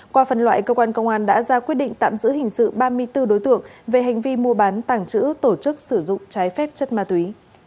qua phần loại cơ quan công an đã ra quyết định tạm giữ hình sự ba mươi bốn đối tượng về hành vi mua bán tàng trữ tổ chức sử dụng trái phép chất ma túy